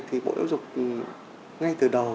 thì bộ giáo dục ngay từ đầu